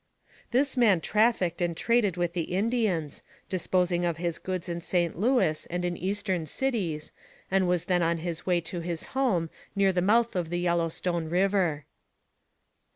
This man trafficked and traded with the Indians, disposing of his goods in St. Louis and in eastern cities, and was then on his way to his home, near the mouth of the Yellowstone River.